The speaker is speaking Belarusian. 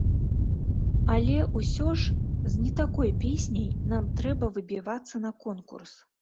Але, усё ж, з не такой песняй нам трэба выбівацца на конкурс.